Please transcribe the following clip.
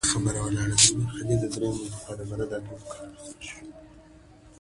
کیسه د اندلس له غرونو پیلیږي.